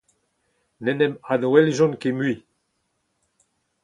Ne 'n em adweljont ket mui.